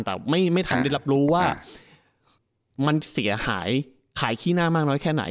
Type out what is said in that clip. แต่ไม่ทันได้รับรู้ว่ามันเสียหายขายขี้หน้ามากน้อยแค่ไหน